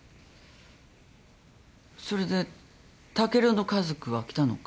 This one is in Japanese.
それで竹郎の家族は来たのか？